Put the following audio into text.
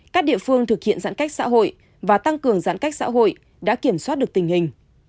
các địa phương thực hiện giãn cách xã hội và tăng cường giãn cách xã hội đã kiểm soát được tình hình